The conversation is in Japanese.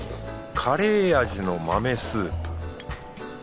カレー味の豆スープ。